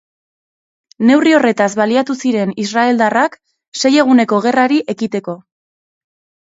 Neurri horretaz baliatu ziren israeldarrak Sei Eguneko Gerrari ekiteko.